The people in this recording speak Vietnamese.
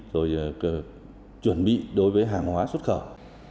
rồi chuẩn bị đối với hàng hóa xuất khẩu